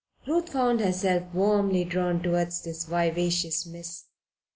Ruth found herself warmly drawn toward this vivacious miss.